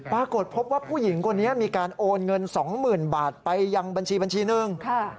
ปรากฏพบว่าผู้หญิงคนนี้มีการโอนเงินสองหมื่นบาทไปยังบัญชีหนึ่ง